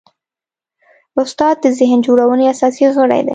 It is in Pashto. استاد د ذهن جوړونې اساسي غړی دی.